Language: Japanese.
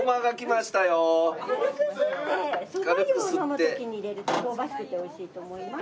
軽くすってそば湯を飲む時に入れると香ばしくておいしいと思います。